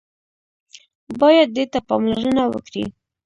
بايد دې ته پاملرنه وکړي.